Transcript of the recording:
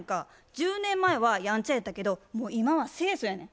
１０年前はヤンチャやったけどもう今は清楚やねん。